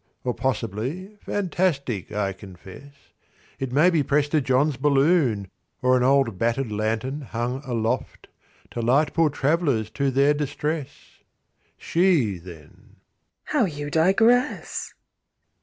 Or possibly (fantastic, I confess) It may be Prester John's balloon Or an old battered lantern hung aloft To light poor travellers to their distress." She then: "How you digress!"